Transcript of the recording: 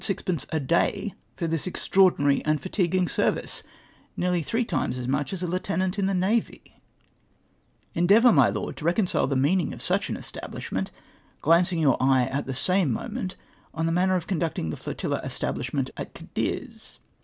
sixijence a day for tliis extraordinary and, fatiguing service; — nearly three times as much as a lieutenant in the navy !" Endeavour, my Lord, to reconcile the meaning of such an establishment, glancing j^our eye at the same moment on the manner of conducting the flotilla establishment at Cadiz.